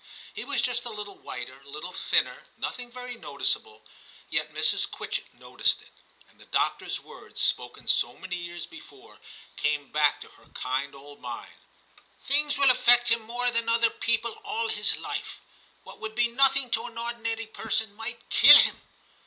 He was just a little whiter, a little thinner, nothing very noticeable, yet Mrs. Quitchett noticed it, and the doctor s words spoken so many years before came back to her kind old mind :* Things will affect him more than other people all his life ; what would be nothing to an ordinary person might kill him.